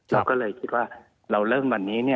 เราก็เลยคิดว่าเราเริ่มวันนี้